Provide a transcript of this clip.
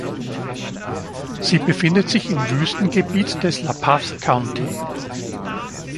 Sie befindet sich im Wüstengebiet des La Paz County.